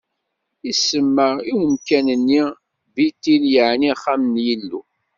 Isemma i umkad-nni Bitil, yeɛni Axxam n Yillu.